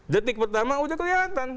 detik pertama udah kelihatan